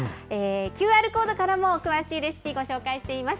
ＱＲコードからも詳しいレシピ、ご紹介しています。